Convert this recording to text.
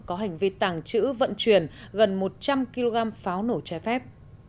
có hành vi tàng trữ vận chuyển gần một trăm linh kg pháo nổ trái phép